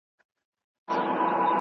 پخوانۍ کیسې د ماشومانو لپاره ویل کېږي.